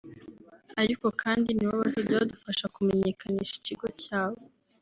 ariko kandi nibo bazajya badufasha kumenyekanisha ikigo cyabo